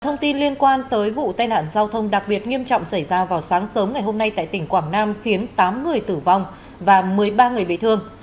thông tin liên quan tới vụ tai nạn giao thông đặc biệt nghiêm trọng xảy ra vào sáng sớm ngày hôm nay tại tỉnh quảng nam khiến tám người tử vong và một mươi ba người bị thương